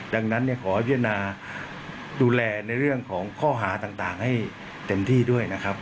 ดังนั้นขอพิจารณาดูแลในเรื่องของข้อหาต่างให้เต็มที่ด้วยนะครับ